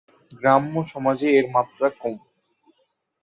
গ্রাম্য সমাজে এর মাত্রা কম।